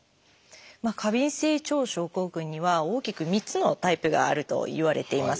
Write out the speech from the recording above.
過敏性腸症候群には大きく３つのタイプがあるといわれています。